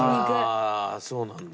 そうなんだ。